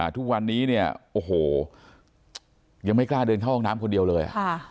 ทุกวันนี้เนี่ยโอ้โหยังไม่กล้าเดินเข้าห้องน้ำคนเดียวเลย